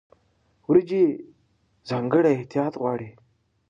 وریجې ځانګړی احتیاط غواړي.